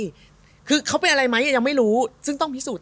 แล้วมันก็คือเค้าเป็นอะไรไหมยังไม่รู้ซึ่งต้องพิสูจน์